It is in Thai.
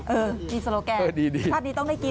เออมีโซโลแกนภาพนี้ต้องได้กิน